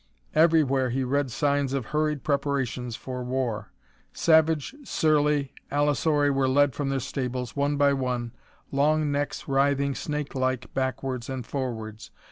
Everywhere he read signs of hurried preparations for war. Savage, surly allosauri were led from their stables, one by one, long necks writhing snakelike backwards and forwards.